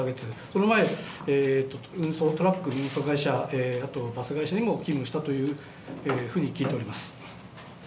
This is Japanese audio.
その前、トラックの運送会社、あとバス会社にも勤務したというふうに聞いております。